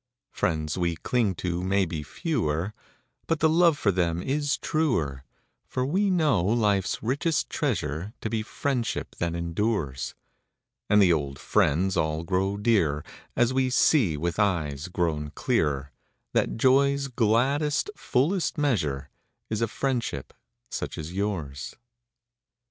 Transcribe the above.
Is a F riends xv)e clinq to mau be fe^Oer, But the loOe jor them is truer; fbr \Oe know life s richest treasure To be friendship that em dures, And the old jriends all qroxO dearer & As vOe see \oith eues qro\On clearer That joq's gladdest, fullest measure ' Is a friendship such as Ljours.